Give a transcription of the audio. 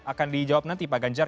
akan dijawab nanti pak ganjar